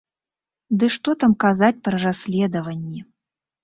Ды што там казаць пра расследаванні.